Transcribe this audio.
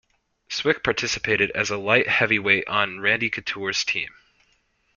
Swick participated as a light heavyweight on Randy Couture's team.